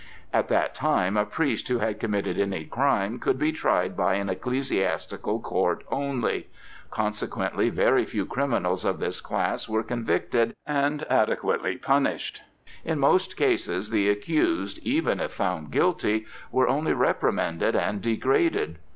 At that time a priest who had committed any crime could be tried by an ecclesiastical court only; consequently very few criminals of this class were convicted and adequately punished; in most cases the accused, even if found guilty, were only reprimanded and degraded.